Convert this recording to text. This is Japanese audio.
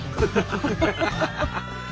ハハハ！